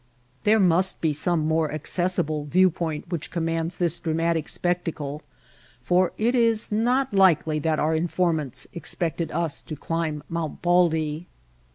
There must be some more accessible viewpoint which com White Heart of Mojave mands this dramatic spectacle, for it is not likely that our informants expected us to climb Mount Baldy.